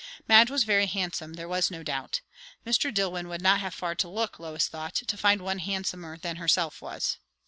Madge was very handsome, there was no doubt; Mr. Dillwyn would not have far to look, Lois thought, to find one handsomer than herself was.